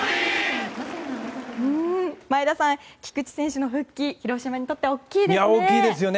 前田さん、菊池選手の復帰は広島にとっては大きいですね。